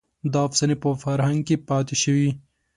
دا افسانې په فرهنګ کې پاتې شوې.